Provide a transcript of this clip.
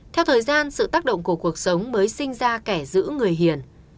theo thời gian sự tác động của cuộc sống mới sinh ra kẻ giữ người hiền